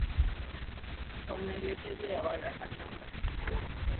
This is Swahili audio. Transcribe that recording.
kwa maelekezo ya Waraka Namba